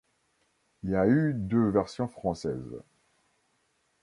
Il y a eu deux versions françaises.